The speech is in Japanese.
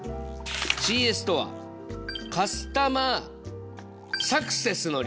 ＣＳとはカスタマーサクセスの略。